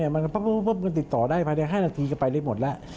มันติดต่อได้ภายใน๕นาทีก็ไปได้หมดแล้ว